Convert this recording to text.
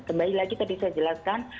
kembali lagi tadi saya jelaskan